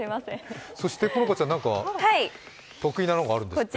そして、好花ちゃん、何か得意なのがあるんですって？